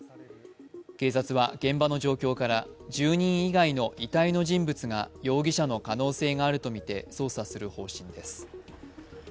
警察は現場の状況から住人以外の遺体の人物が容疑者の可能性があるとみて捜査する方針です。